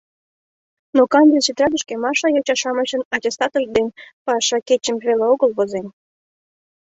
Но канде тетрадьышке Маша йоча-шамычын «аттестатышт» ден пашакечым веле огыл возен.